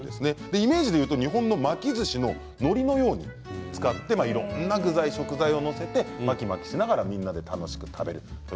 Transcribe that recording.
イメージでいうと日本の巻きずしの、のりのように使って、いろんな具材を載せて巻き巻きしながらみんなで楽しく食べる。